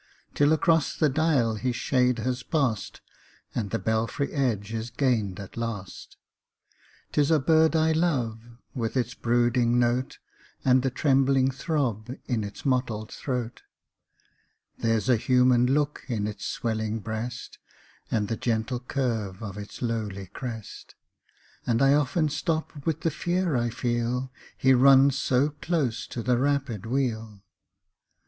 Till across the dial his shade has pass'd, And the belfry edge is gain'd at last. 'Tis a bird I love, with its brooding note, And the trembling throb in its mottled throat ; There's a human look in its swellinor breast, And the gentle curve of its lowly crest ; And I often stop with the fear I feel — He runs so close to the rapid wheel.